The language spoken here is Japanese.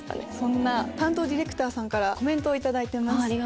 そんな担当ディレクターさんからコメントを頂いてます。